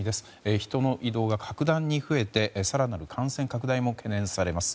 人の移動が格段に増えて更なる感染拡大も懸念されます。